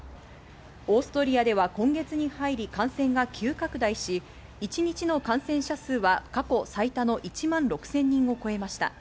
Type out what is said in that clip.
オーストリアでは今月に入り感染が急拡大し、一日の感染者数は過去最多の１万６０００人を超えました。